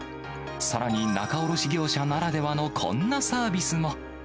さらに仲卸業者ならではのこんなサービスも。